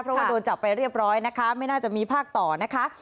เพราะว่าโดนจับไปเรียบร้อยนะคะไม่น่าจะมีภาคต่อนะคะ